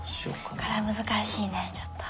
これは難しいねちょっと。